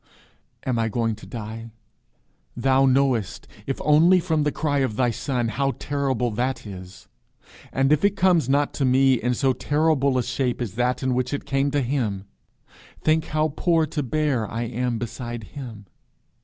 Am I going to die? Thou knowest, if only from the cry of thy Son, how terrible that is; and if it comes not to me in so terrible a shape as that in which it came to him, think how poor to bear I am beside him.